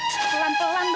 pelan pelan dong sakit